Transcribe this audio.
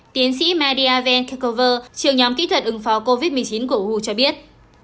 tiến sĩ maria van kekover trường nhóm kỹ thuật ứng phó covid một mươi chín của huu cho biết